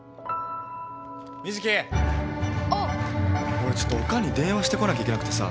俺ちょっとおかんに電話してこなきゃいけなくてさ。